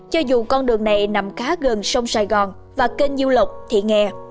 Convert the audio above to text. cho dù con đường này nằm khá gần sông sài gòn và kênh du lộc thị nghè